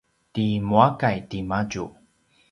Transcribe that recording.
ti muakay timadju